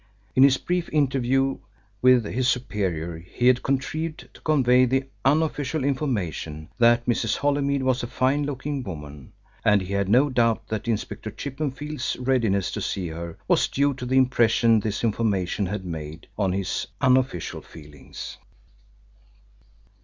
In his brief interview with his superior he had contrived to convey the unofficial information that Mrs. Holymead was a fine looking woman, and he had no doubt that Inspector Chippenfield's readiness to see her was due to the impression this information had made on his unofficial feelings.